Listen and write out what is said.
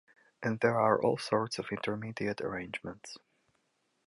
And there are all sorts of intermediate arrangements.